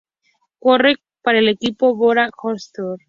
Corre para el equipo Bora-Hansgrohe.